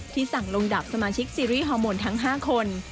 สั่งลงดับสมาชิกซีรีส์ฮอร์โมนทั้ง๕คน